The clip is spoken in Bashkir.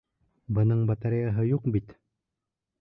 Бының батареяһы юҡ бит!